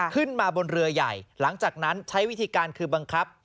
ขึ้นมาบนเรือใหญ่หลังจากนั้นใช้วิธีการคือบังคับ